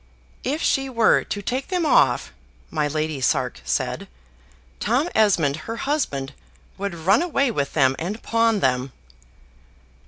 "If she were to take them off," my Lady Sark said, "Tom Esmond, her husband, would run away with them and pawn them."